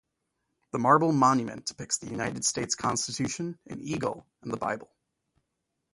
The marble monument depicts the United States Constitution, an eagle, and the Bible.